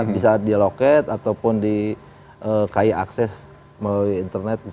bisa di loket ataupun di kaya akses melalui internet